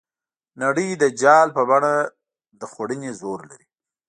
نړۍ د جال په بڼه د خوړنې زور لري.